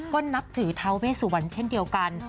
ก็นับถือทาเวสุวรรณเช่นเดียวกัน